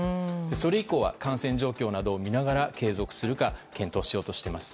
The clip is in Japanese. それ以降は感染状況を見ながら継続するか検討しようとしています。